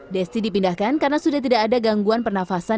desti dipindahkan karena sudah tidak ada gangguan pernafasan